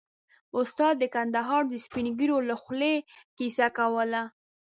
استاد د کندهار د سپين ږيرو له خولې کيسه کوله.